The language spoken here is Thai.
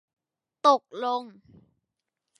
ตกลง